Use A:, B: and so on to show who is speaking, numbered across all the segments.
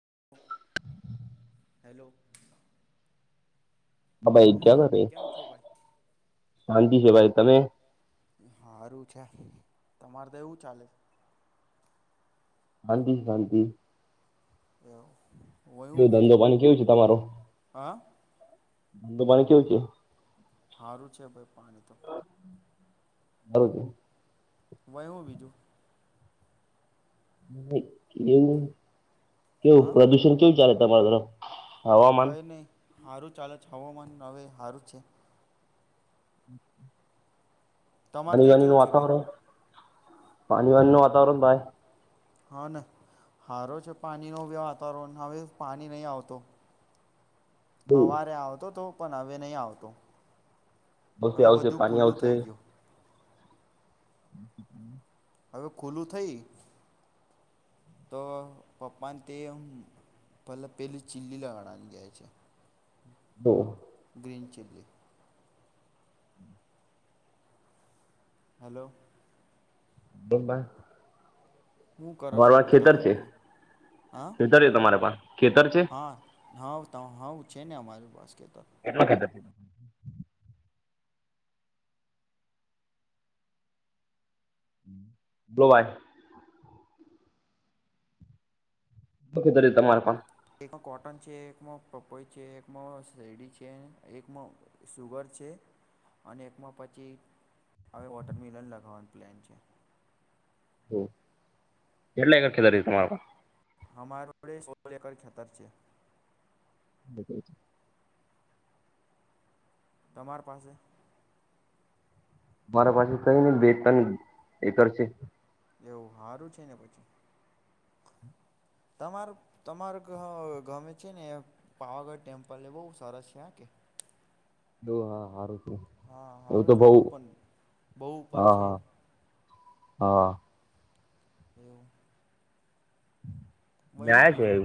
A: [inaudible] Hello
B: હા ભાઈ
A: hello
B: ક્યાં કરે
A: કેમ છો
B: શાંતિ છે તમે
A: ભાઈ હારું છે તમારે તો કેવું ચાલે
B: હાજી શાંતિ
A: એવું એવું
B: કેવું ધંધો
A: બીજું
B: પાણી કેવું છે
A: હા
B: તમારે કેવું છે
A: સારું છે ભાઈ પાણી તો
B: [unintelligible]
A: વય હું બીજું
B: હ કેવું કેવું
A: હા
B: પ્રદુષણ કેવું ચાલે તમારા તરફ હવામાન
A: કઈ નહી હારું ચાલે હવામાન હવે હારું છે
B: [unintelligible]
A: તમારે તો
B: ઘનીવાની
A: કેવું
B: નું
A: છે ભાઈ
B: વાતાવરણ પાણી વાણી નું વાતાવરણ ભાય
A: હા ને સારો છે પાણીનો બી વાતાવરણ હવે પાણી નહીં આવતો
B: કેવું
A: હવારે આવતો તો પણ હવે નહીં આવતું
B: પછી આવશે પાણી આવશે [unintelligible]
A: હવે ખુલ્લું થઇ તો પપ્પાને તે પેલી ચીલી લાવવાની જાય છે
B: [unintelligible]
A: ગ્રીન ચિલ્લી હેલો
B: [unintelligible]
A: હું કરો છો
B: અર પા
A: એવું
B: ખેતર
A: બતાવે
B: છે
A: બીજું હા
B: ખેતર છે તમારા પા ખેતર છે.
A: હા હા બતા હાું છે ને અમારે પાસે કે [inaudible]
B: કેટલા ખેતર છે બલોલો ભાઈ [unintelligible] તમારે પણ
A: એક કોટન છે એકમાં પપોઈ છે એકમાં શેરડી છે એકમાં સુગર છે અને એકમાં પછી હવે વોટરમિલન લગાવવાનું પ્લેન છે.
B: હ એલે હેકકારે ત મારવા
A: હરેડે સો એકર ખતર છેે.
B: બ [inaudible]
A: તમારી પાસે [unintelligible]
B: મારા પાસે કઈ નને બેતા એકર છે.
A: એવું સારું છે ને પછી. તમાર તમાર ગમે છે ને પાવાગઢ ટેમ્પલ એ બહુ સરસ છે. આ કે
B: દો હા હારું [unintelligible]
A: હા
B: એવું
A: સારું
B: તો
A: છે
B: બહુ
A: બહ પણ બહ ઉપર
B: હા
A: છે
B: હા હા
A: એવું [unintelligible]
B: મેં
A: હું
B: આવ્યા છે
A: બીજું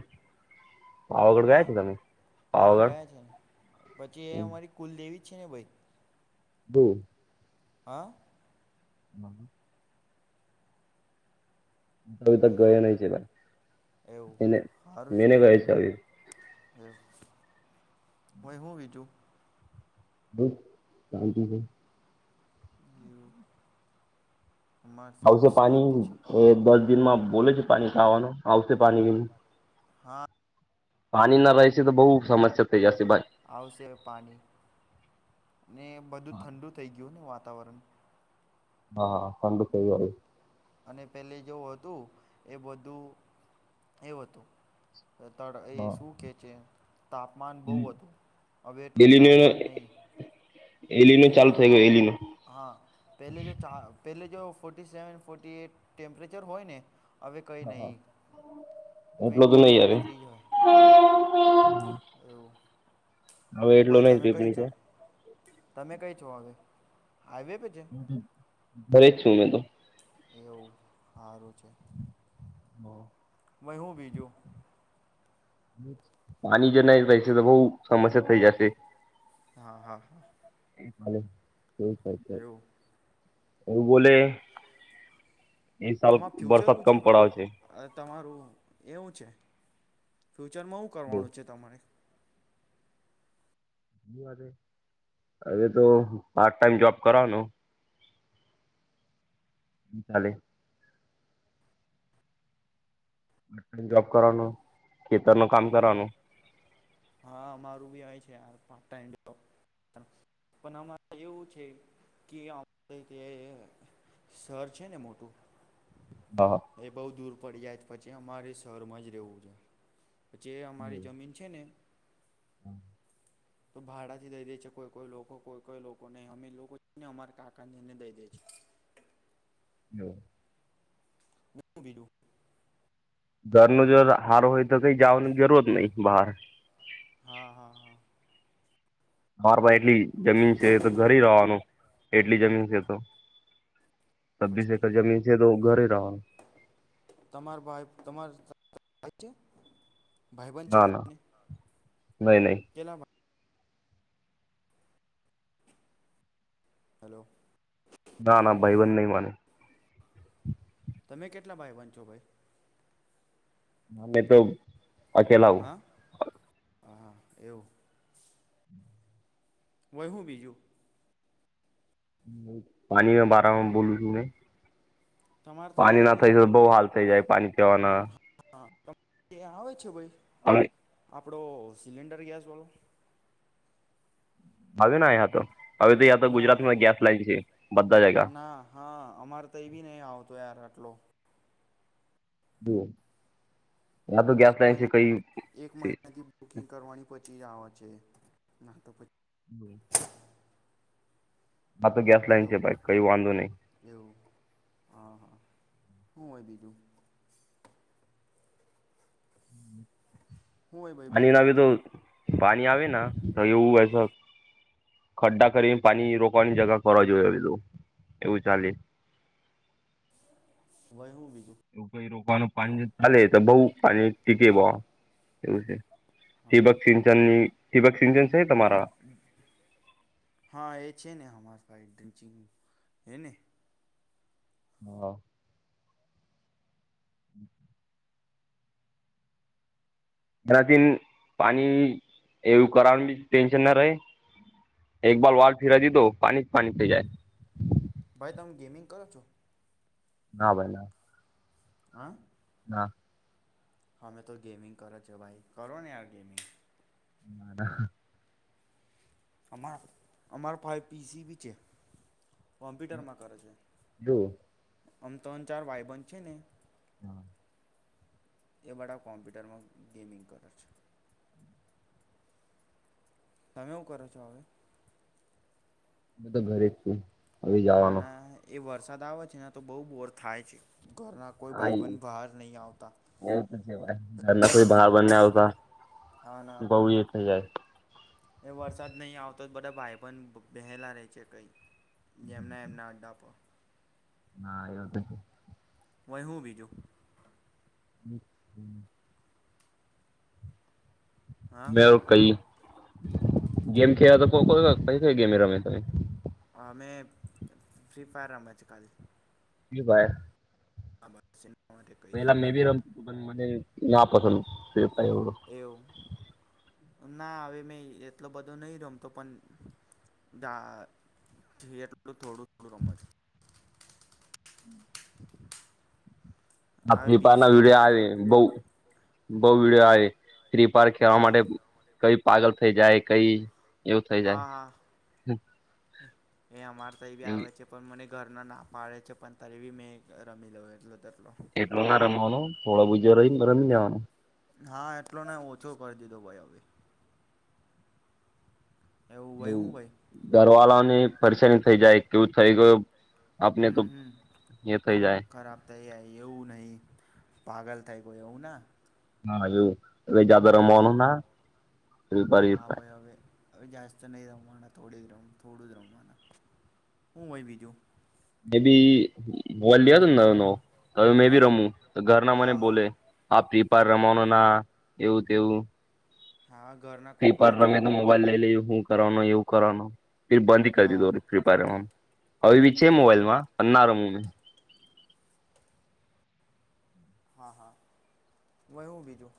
B: પાવાગઢ
A: હ
B: ગયા છો તમે
A: હા
B: પાવાગઢ
A: ગયા છે પછી એ અમારી કુલદેવી પછીને બઈ
B: બહ
A: હા
B: હમ [unintelligible] ત
A: હેલો
B: ગયો નહ છે ભાઈ
A: એવું
B: એને
A: સારું છે
B: મેને
A: એ બી
B: ગયા છે.
A: ભાઈ હું બીજું
B: બસ ચાલતું છે. [unintelligible]
A: અમારે તો
B: ભઉસે
A: એવી
B: પાણી
A: શાંતિ છે
B: એ દસ દિનમાં બોલે છે પાણી ખાવાનું આવશે પાણી
A: હા
B: પાણી ના રહેશે તો બહુ સમસ્યા થઈ જશે. ભાઈ
A: આવશે પાણી ને બધું ઠંડુ થઈ ગયું ને વાત વાતાવરણ
B: હા હા [unintelligible]
A: અને પેલી જેવુ હતું એ બધું એ હતું એ શું કે છે તાપમાન બહુ હતું હવે એટલું
B: એલીનો
A: તાપમાન નહી
B: એલીનો
A: પેલે
B: ચાલુ
A: જો
B: થઈ ગયો એલીનો
A: હા પેલે જો ચા પેલે જો. Forty seven forty eight temperature હોય ને હવે કંઈ
B: હા
A: નહીં
B: એટલો તો
A: ટ્વેન્ટી એટ
B: નહી આવે
A: ટ્વેન્ટી થ્રી હોય. એવું
B: [inaudible] [inaudible] હવે
A: હું
B: એટલો
A: ભાઈ
B: નહી
A: તમે કઈ
B: પીપણી
A: છો
B: છે.
A: તમે કઈ છો હવે હાઈવે પે છે
B: બરે જ તુમે તો
A: એવું સારું છે.
B: હા.
A: વહી હું બીજું.
B: પાણી જોઈને રહેશે તો બહું સમસ્યા થઈ જશે.
A: હા હા.
B: હાલો. [unintelligible]
A: એવું
B: એવુ બોલેએ.
A: તમાર ફ્યુચર હુ છે ભાઈ? તમારું એવું છે. ફ્યુચરમાં શું કરવાનું છે તમારે?
B: હવે તો પાર્ટ ટાઈમ જોબ કરવાનો. હમ્મ ચાલે. પાટટાઈમ જોબ કરવાનું, ખેતર નુ કામ કરવાનું
A: હા અમારું બી આવે છે પાર્ટ ટાઈમ જોબ. પણ અમારે એવું છે કે અ શર છે ને મોટું
B: હા.
A: એ બઉ દૂર પડી જાય પછી અમારે શરમાં જ રહેવું છે. જે અમારી જમીન છે ને
B: હા.
A: તો ભાડા થી દઈ દે છે કોઈ કોઈ લોકો. કોઈ કોઈ લોકો ને અમે લોકો છ ને અમારા કાકાની એને દઈ દે છે.
B: [unintelligible]
A: બીજું
B: ઘરનું જો હાર હોય તો કઈ જવાની જરૂરત નહી બહાર.
A: હા હા હા.
B: માર ભાઈ ની જમીન છે તો ઘરે રવાનું એટલી જમીન છે તો. છબ્બીસ
A: પછી
B: એકડ જમીન છે તો ઘરે રા
A: તમાર ભાઈ તમાર હાચુ? ભાઈબન છે
B: ના ના
A: તમને?
B: નહી નહી
A: કેલા ભાઈ હાલો.
B: ના ના ભાઈ બંધ નહી માને.
A: તમે કેટલા ભાઈબંધ ચો ભાઈ?
B: અમે તો અછેલાવું.
A: હાહા એવું. વય હું બીજું.
B: પાણી બારમાં બોલું છું મે?
A: તમારે તો એ
B: પાણી ના થાય છે તો બહુ હાલ થઈ જાય પાણી જવાના
A: હા ત આવે છે ભાઈ
B: [inaudible]
A: આપણો સિલિન્ડર ગેસ વાલોો
B: હવે ના હ તો હવે તો યાં તો
A: ના
B: ગુજરાત માં ગેસ લાય છે બધા જગા
A: ના હા અમારે તો એવીી નહ આવ તોયાર આટલો
B: [inaudible] યા તો ગેસ
A: એક
B: લઇન છે
A: મહિના
B: કઈ
A: ીવા છે ના તો પછી
B: હ તો ગેસ લઇન છે
A: એવું
B: ભાઈ કઈ વાંધો ન
A: એવું હા હા હું હોય બીજું હુંય ભાઈ
B: અને
A: બીજું
B: એના તો પાણી આવે ના તો એવુંસ
A: હમ
B: ખડ્ડા કરીને પાણી રોકવાની જગ કરવા જોઈએધ એવું ચાલે
A: વય હું બી
B: એ કઈ રો પાંજ ચાલે તો બઉ અને ટિક ભ
A: હા
B: એવું છે દિબક સિંચન ની શિભક સિંગજન
A: હા એ છે ને અમાર હાઈ ડ્રંચિંગું એની
B: હા હમ એનાથી પાણી એવું કરવાનું બી ટેન્શન ના રહે એકબર વાલ ફિરાતી તો પાણી જ પાણી થઈ જાય
A: ભાઈ તમે ગેમિંગ કરો છો
B: ના ભાઈ ના
A: હ
B: હા
A: હમે તો ગેમિંગ કર છો ભાઈ કરો ને યાર ગેમિંગ
B: નાા
A: અર અમર પાાઈપીસી બી છેે કોમ્પ્યુટરમાં કરે છે
B: જો
A: આમ તો અ ચાર ભાઈબંધ છે ને
B: હા
A: એ બા કોમ્પ્યુટરમાં ગેમિંગ કરે છે તમે એવું કરો છો હવે
B: હ તો ઘરે જ છું. હવે
A: હા
B: જવાનો
A: ના એ વર્ષ સદાવ છે તો બહુ બોર થાય છે. ઘરના કોઈ ભાઈબંધ બહાર નહીં આવતા
B: એવું તો છે ઘરના કોઈ બહાર બને આવતા
A: હા ના
B: બહુ એ થઈ જાય
A: એ વરસાદ નહી આવતો તો બધા ભાઈપ પણ બહેલા રહ રહે છે કઈ જેમના એમના અડડા આપ
B: હા એવ તો
A: વહી હું બીજું
B: [inaudible]
A: હા
B: મે કઈ ગેમ ખે તોકો પ ગેમે રમે તમે
A: હા મે ફ્રી ફાયર આમાંજ કાલ
B: એ ભાઈ
A: [inaudible] કહી દે
B: પેલા મેં બી
A: બીજું
B: રમતું તું પણ મને ના પસંદ.
A: એવું
B: [unintelligible]
A: ના હવે મે એટલો બધો નહી રમતો પણ એટલું થોડું થોડું રમો છે. હવે
B: હ પપાર ના
A: પીસીઓ
B: વિડિયા
A: પણ
B: આવે બઉ બહુ વડ આવે ફ્રી ફાયર ખેડવા
A: હા
B: માટે કઈ પાગલ જાય કઈ એવું થઇ જાય
A: હા હા
B: હમ્મ.
A: [inaudible] એ અમાર તો એ બી આવે છે પણ મને ઘરના ના પાળે છે પણ ત્યારે બી મેં અ રમીલો એટલો તો
B: એટલો ના રમાનું થોળો ગુજો રહીને ત રમી લેવાનુ
A: હા એટલો ને ઓછો કરી દીધો ભાઈ હવે એવું ભાઈ
B: ભુ
A: હું ભાઈ
B: ઘરવાળાની પરેશાની થઈ જાય. કેવું થઈ ગયું. આપને તો
A: હમ્મ હમ્મ
B: એ થઈ જાય
A: ખરાબ થઈ આઈ એવું નહીં પાગલ થઈ ગયો એવું ને
B: હા એવું. એટલે જાથદા રમાનું ના.
A: હા ભાઈ અવે અવે જાસ્ત નહી રમવાના થોડી જ રમુ થોડું જ રમવાના હું હોય બીજું
B: મે બી બોલ્યો હતો ને નવો નવ હવે મેં
A: હા
B: ભી રમું તો ઘરના મને
A: હા હા
B: બોલે આપી ફ્રી ફાયર રમવાનું ના એવું તેવું
A: હા ઘરના
B: ફ્રી ફાયર
A: કોકલા છે
B: રમે તો મોબાઈલ લઈ લે હું. કરવાનું એવું કરવાનું એ બંધી કરી
A: હા
B: દો કૃપારમ હવે બી છે મોબાઈલમાં અના રમું મેં
A: હા હા હોય હું બીજું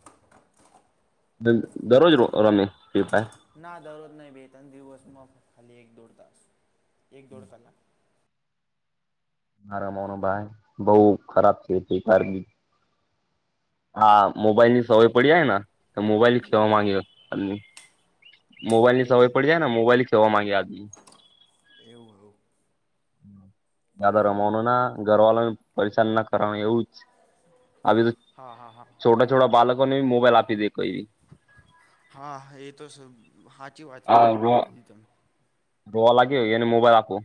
B: દરરોજ રમે ફ્રી ફાયર
A: ના દરરોજ નહીં બે ત્રણ દિવસમાં ખાલી એક દોઢ તાસ એક દોડ કલાક
B: મારામનો ભાઈ બહ ખરાબથી ફ્રી ફાયર હા મોબાઈલની સવે પડી જાયને કે મોબાઈલ બી
A: હેલો
B: કેવા માંગ્યો મોબાઈલની સમય
A: એવું
B: પડી જાય ને મોબાઈલની તોવા માંગ્યા જ
A: એવું હું
B: હમ જાયદા
A: વય
B: રમાવાનું
A: બીજું
B: ના ઘરવાલાને પરેશાન ના કરવાનું એવું જ આવી તો
A: હા હા હા
B: છોટા છોટા બાલક કોને મોબાઈલ આપ
A: હા એ તો સાચી વાત
B: આ રો
A: કીધી તમે
B: રોવા લાગ્યો હોય એને મોબાઈલ આપો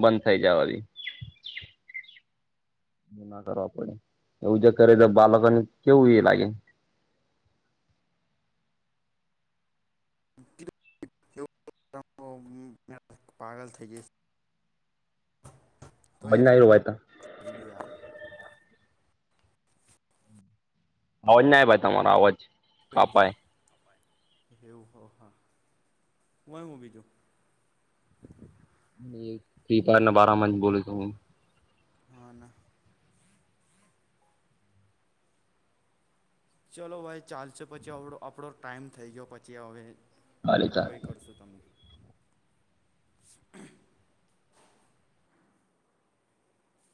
B: બંધ થઇ જાય એ ના કરવા પડે એવું જો કરે તો બાળકોને કેવું એ લાગે
A: [inaudible]
B: અવાજ ના આવ્યો ભાઈ તા
A: તોીું
B: અવાજ ના ભાઈ તમારો અવાજ કપાય
A: એવું હો હા હુંય હું બીજું
B: સને બારામાં જ બોલ છ હું
A: હ ના ચલો ભાઈ ચાલશે પછી આપણો ટાઈમ થઈ ગયો પછી હવે
B: ચાલે ચાલ
A: વહી કરશું તમને [inaudible] [inaudible]